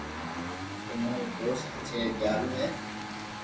تمو رو دوست ھاچيلي ديالو ھي